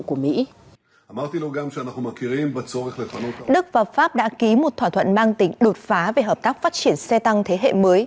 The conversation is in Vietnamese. đức và pháp đã ký một thỏa thuận mang tính đột phá về hợp tác phát triển xe tăng thế hệ mới